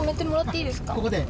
ここで？